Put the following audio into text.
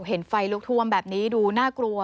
เห็นไฟลุกท่วมแบบนี้ดูน่ากลัว